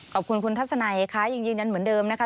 ขอบคุณคุณทัศนัยค่ะยังยืนยันเหมือนเดิมนะคะ